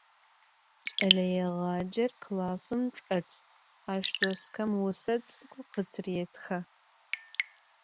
Ç'eleêğacer klassım çç'et, aş doskem vuse ts'ık'u khıtırêtxe.